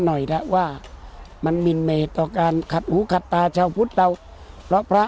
หน่อยด่ะว่ามันมีเหตุการณ์ขัดหูขัดตาเช้าพุทธเราเพราะพระ